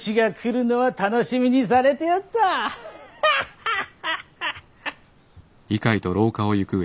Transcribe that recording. ハハハハハ。